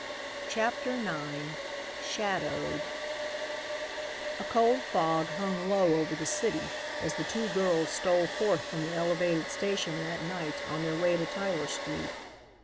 CHAPTER IX SHADOWED A cold fog hung low over the city as the two girls stole forth from the elevated station that night on their way to Tyler street.